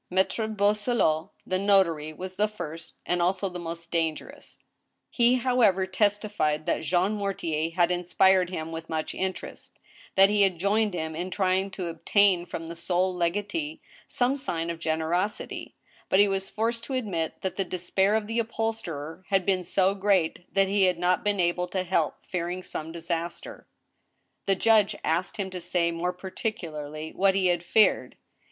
Maltre Boisselot, the notary, was the first, and also the most dangerous. He, however, testified that Jean Mortier had inspired him with much interest, that he had joined him in trying to obtain from the sole legatee some sign of generosity ; but he was forced to admit that the despair of the upholsterer had been so great that he had not been able to help fearing some disaster. THE TRIAL. 191 The judg^e asked him to say more particularly what he had feared.